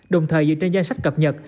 đồng thời dựa trên danh sách cập nhật